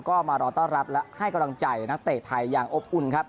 ก็มารอต้อนรับและให้กำลังใจนักเตะไทยอย่างอบอุ่นครับ